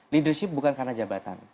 leadership bukan karena jabatan